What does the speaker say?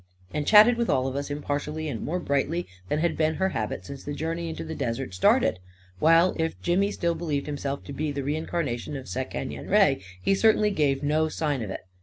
— and chatted with all of us impartially and more brightly than had been her habit since the journey into the desert started; while if Jimmy still believed himself to be the re incarna tion of Sekenyen Re, he certainly gave no sign of it.